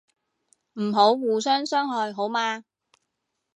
唔好互相傷害好嗎